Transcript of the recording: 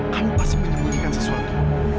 kamu pasti penyembunyikan sesuatu